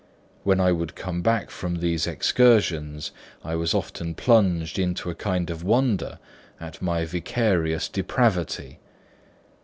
When I would come back from these excursions, I was often plunged into a kind of wonder at my vicarious depravity.